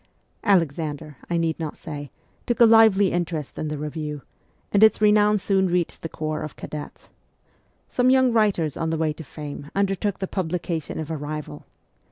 Alexander, I need not say, took a lively interest in the review, and its renown soon reached the corps of cadets. Some young writers on the way to fame undertook the publication of a rival.